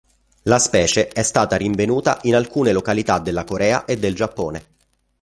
La specie è stata rinvenuta in alcune località della Corea e del Giappone.